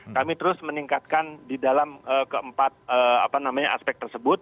kami terus meningkatkan di dalam keempat aspek tersebut